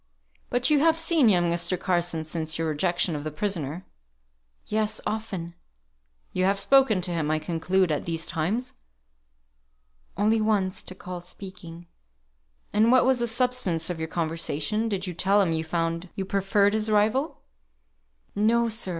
"But you have seen young Mr. Carson since your rejection of the prisoner?" "Yes, often." "You have spoken to him, I conclude, at these times." "Only once to call speaking." "And what was the substance of your conversation? Did you tell him you found you preferred his rival?" "No, sir.